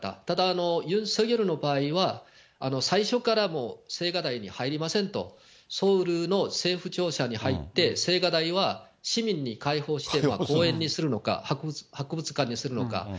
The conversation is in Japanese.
ただ、ユン・ソギョルの場合は最初からもう青瓦台に入りませんと、ソウルの政府庁舎に入って、青瓦台は市民に開放して、公園にするのか、博物館にするのか。